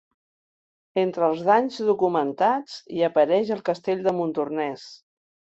Entre els danys documentats hi apareix el castell de Montornès.